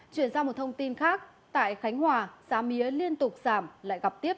chuyển sang một thông tin khác tại khánh hòa giá mía liên tục giảm lại gặp tiếp